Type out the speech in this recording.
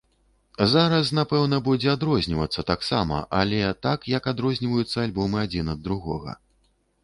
Зараз напэўна будзе адрознівацца таксама, але так, як адрозніваюцца альбомы адзін ад другога.